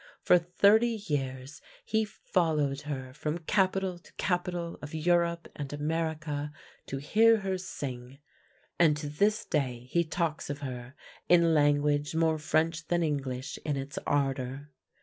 For thirty years he followed her from capital to capital of Europe and America to hear her sing, and to this day he talks of her in language more French than English in its ar dour.